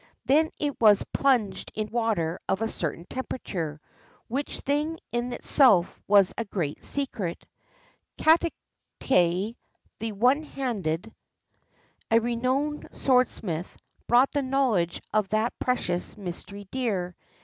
Then it was plunged in water of a certain temperature, which thing in itself was a great secret. Katate, the " One handed," a renowned swordsmith, bought the knowledge of that precious mystery dear.